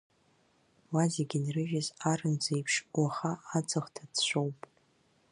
Уа зегь инрыжьыз арымӡ еиԥш уаха аҵых ҭацәцәоуп.